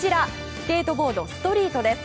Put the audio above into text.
スケートボード・ストリートです。